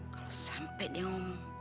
kalau sampai dia ngomong